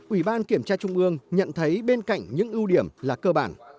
ủy ban kiểm tra trung ương nhận thấy bên cạnh những ưu điểm là cơ bản